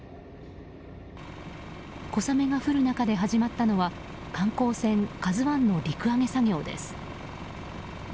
小雨が降る中で始まったのは観光船「ＫＡＺＵ１」の陸揚げ作業です。